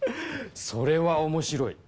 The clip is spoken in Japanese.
それは面白い。